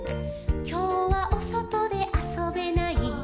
「きょうはおそとであそべない」「」